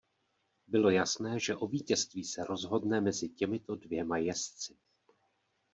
Bylo jasné že o vítězství se rozhodne mezi těmito dvěma jezdci.